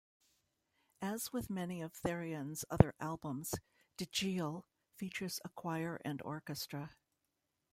As with many of Therion's other albums, "Deggial" features a choir and orchestra.